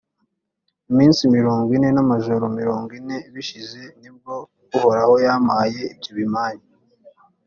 iminsi mirongo ine n’amajoro mirongo ine bishize, ni bwo uhoraho yampaye ibyo bimanyu